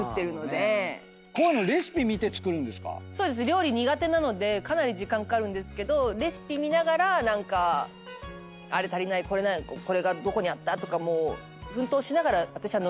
料理苦手なのでかなり時間かかるんですけどレシピ見ながら何かあれ足りないこれがどこにあったとかもう奮闘しながら私は飲みながら作って。